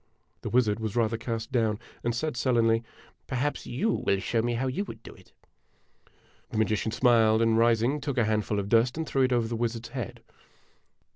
The wizard was rather cast down, and said sullenly: " Perhaps you will show me how you would clo it ?" The magician smiled, and rising, took a handful of dust and <> o threw it over the wizard's head.